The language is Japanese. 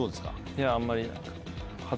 いやあんまり。